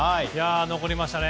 残りましたね。